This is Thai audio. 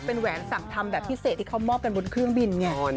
เป็นแหวนสั่งทำแบบพิเศษที่เขามอบกันบนเครื่องบินไง